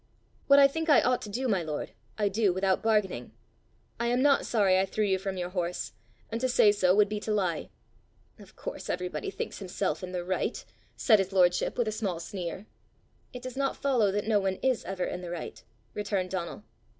"What I think I ought to do, my lord, I do without bargaining. I am not sorry I threw you from your horse, and to say so would be to lie." "Of course everybody thinks himself in the right!" said his lordship with a small sneer. "It does not follow that no one is ever in the right!" returned Donal.